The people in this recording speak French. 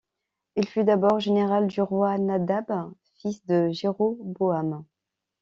Il fut d'abord général du roi Nadab, fils de Jéroboam.